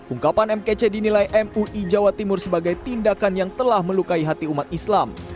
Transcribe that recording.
ungkapan mkc dinilai mui jawa timur sebagai tindakan yang telah melukai hati umat islam